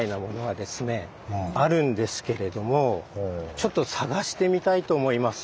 ちょっと探してみたいと思います。